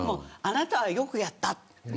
あなたは、よくやった。